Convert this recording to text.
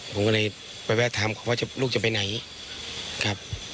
ผมก็เลยไปแวะถามเขาว่าลูกจะไปไหนครับ